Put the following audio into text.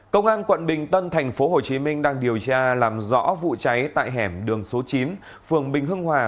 công an quận bình tân tp hcm đang điều tra làm rõ vụ cháy tại hẻm đường số chín phường bình hưng hòa